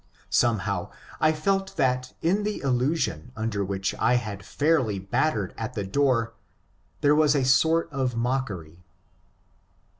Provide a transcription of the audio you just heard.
Somehow I felt that in the illusion under which I had fairly battered at the door there was a sort of mockery.